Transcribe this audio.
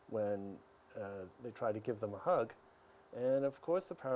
menangis ketika mereka mencoba untuk mengucapkan salam